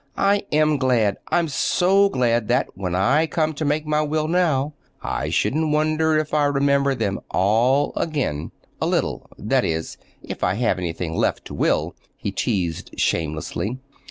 "I am glad. I'm so glad that, when I come to make my will now, I shouldn't wonder if I remembered them all again—a little—that is, if I have anything left to will," he teased shamelessly.